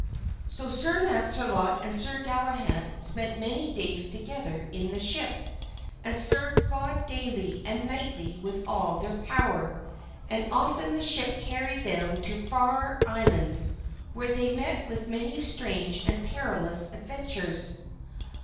So Sir Launcelot and Sir Galahad spent many days together in the ship, and served God daily and nightly with all their power; and often the ship carried them to far islands where they met with many strange and perilous adventures.